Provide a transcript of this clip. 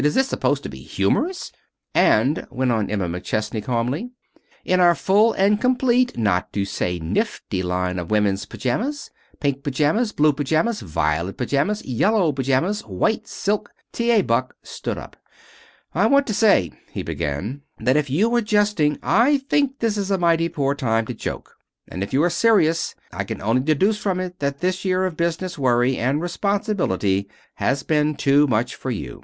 "Is this supposed to be humorous?" "And," went on Emma McChesney, calmly, "in our full and complete, not to say nifty line of women's pajamas pink pajamas, blue pajamas, violet pajamas, yellow pajamas, white silk " T. A. Buck stood up. "I want to say," he began, "that if you are jesting, I think this is a mighty poor time to joke. And if you are serious I can only deduce from it that this year of business worry and responsibility has been too much for you.